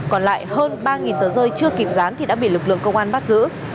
còn lại hơn ba tờ rơi chưa kịp dán thì đã bị lực lượng công an bắt giữ